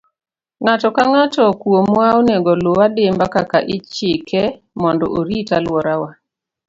Ng'ato ka ng'ato kuomwa onego oluw adimba kaka ichike mondo orit alworawa.